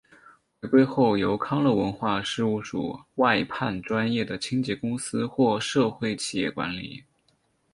回归后由康乐文化事务署外判专业的清洁公司或社会企业管理。